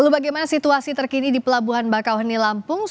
bagaimana situasi terkini di pelabuhan bakauhoni lampung